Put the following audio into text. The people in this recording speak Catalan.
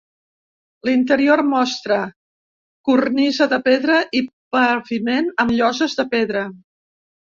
L'interior mostra cornisa de pedra i paviment amb lloses de pedra.